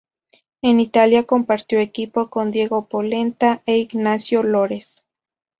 En Italia compartió equipo con Diego Polenta e Ignacio Lores.